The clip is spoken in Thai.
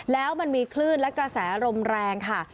แล้วมันมีคลื่นและกระแสลมแรงค่ะ